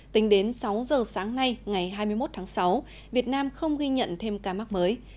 tính đến sáu giờ sáng nay ngày hai mươi một tháng sáu việt nam không ghi nhận thêm ca mắc mới